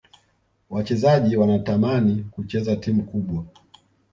wachezaji wanatamani kucheza timu kubwa